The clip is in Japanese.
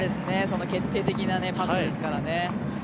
決定的なパスですからね。